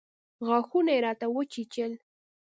غاښونه يې راته وچيچل.